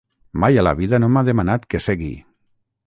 Mai a la vida no m'ha demanat que segui.